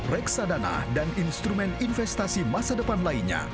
reksadana dan instrumen investasi masa depan lainnya